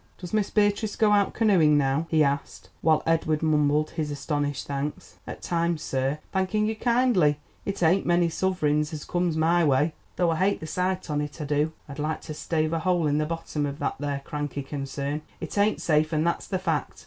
"Does Miss Beatrice go out canoeing now?" he asked while Edward mumbled his astonished thanks. "At times, sir—thanking you kindly; it ain't many suvrings as comes my way—though I hate the sight on it, I do. I'd like to stave a hole in the bottom of that there cranky concern; it ain't safe, and that's the fact.